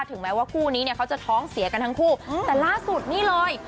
ถึงแม้ว่าคู่นี้เนี่ยเขาจะท้องเสียกันทั้งคู่แต่ล่าสุดนี่เลย